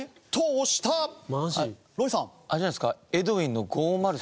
あれじゃないですか？